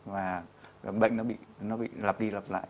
và bệnh nó bị lặp đi lặp lại